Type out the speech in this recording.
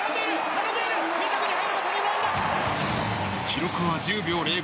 記録は１０秒０５。